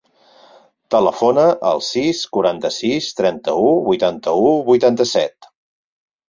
Telefona al sis, quaranta-sis, trenta-u, vuitanta-u, vuitanta-set.